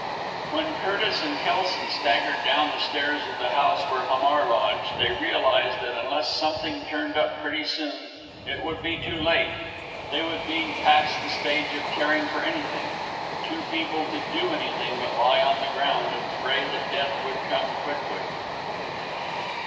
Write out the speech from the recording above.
When Curtis and Kelson staggered down the stairs of the house where Hamar lodged, they realized that unless something turned up pretty soon, it would be too late they would be past the stage of caring for anything too feeble to do anything but lie on the ground and pray that death would come quickly.